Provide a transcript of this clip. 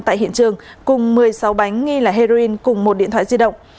tại hiện trường cùng một mươi sáu bánh nghi là heroin cùng một điện thoại di động